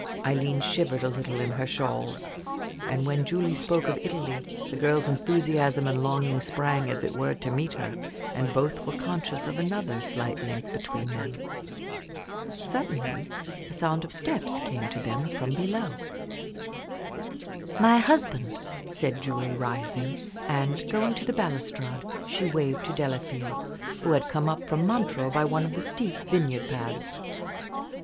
Aileen shivered a little in her shawls, and when Julie spoke of Italy the girl's enthusiasm and longing sprang, as it were, to meet her, and both were conscious of another slight link between them. Suddenly a sound of steps came to them from below. "My husband," said Julie, rising, and, going to the balustrade, she waved to Delafield, who had come up from Montreux by one of the steep vineyard paths.